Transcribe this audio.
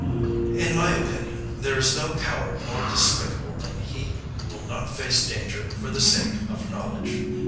In my opinion, there is no coward more despicable than he who will not face danger for the sake of knowledge.